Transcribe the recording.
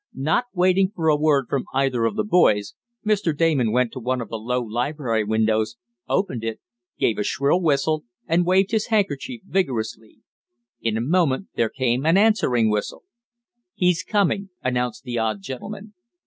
Not waiting for a word from either of the boys, Mr. Damon went to one of the low library windows, opened it, gave a shrill whistle and waved his handkerchief vigorously. In a moment there came an answering whistle. "He's coming," announced the odd gentleman.